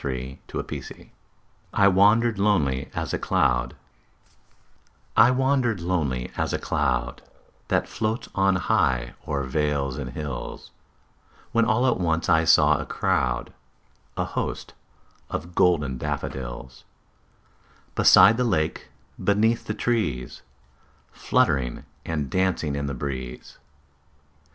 William Wordsworth I Wandered Lonely As a Cloud I WANDERED lonely as a cloud That floats on high o'er vales and hills, When all at once I saw a crowd, A host, of golden daffodils; Beside the lake, beneath the trees, Fluttering and dancing in the breeze.